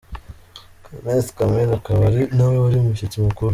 Kenneth Kamper akaba ari nawe wari umushyitsi mukuru.